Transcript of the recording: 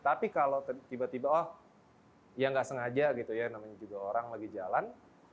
tapi kalau tiba tiba oh ya nggak sengaja gitu ya namanya juga orang lagi jalan